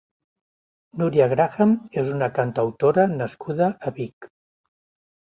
Núria Graham és una cantautora nascuda a Vic.